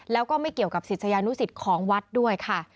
แล้วก็ไม่เกี่ยวกับศิษยานุสิตของวัดด้วยค่ะ